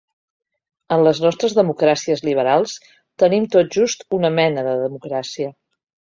En les nostres democràcies liberals tenim tot just una mena de democràcia.